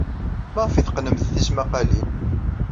Maɣef ay teqqnemt tismaqqalin?